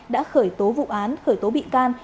đã khởi tố vụ án khởi tố bị can